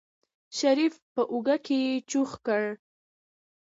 شريف په اوږه کې چوخ کړ.